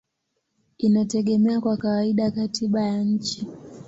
inategemea kwa kawaida katiba ya nchi.